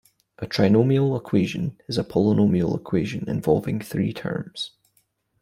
A trinomial equation is a polynomial equation involving three terms.